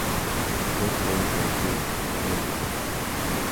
Todos pueden producir necrosis extensas.